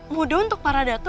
mudah untuk para datu